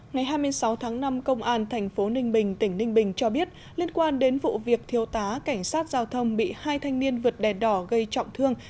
ngày hai mươi sáu tháng năm công an thành phố ninh bình tỉnh ninh bình cho biết liên quan đến vụ việc thiêu tá cảnh sát giao thông bị hai thanh niên vượt đèn đỏ gây trọng thương